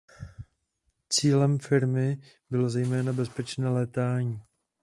Cílem firmy bylo zejména bezpečné létání.